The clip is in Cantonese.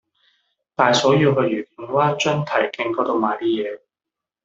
大嫂要去愉景灣津堤徑嗰度買啲嘢